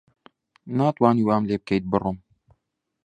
ناتوانی وام لێ بکەیت بڕۆم.